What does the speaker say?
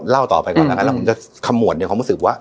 เล่าต่อไปก่อนแล้วกันแล้วผมจะขมวดในความรู้สึกว่า